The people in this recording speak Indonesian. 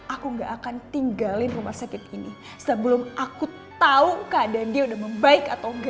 aku gak akan tinggalin rumah sakit ini sebelum aku tahu keadaan dia udah membaik atau enggak